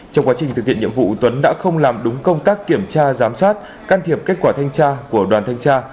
trong quá trình thực hiện nhiệm vụ tuấn đã không làm đúng công tác kiểm tra giám sát can thiệp kết quả thanh tra của đoàn thanh tra